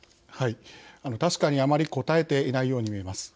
確かに、あまりこたえていないように見えます。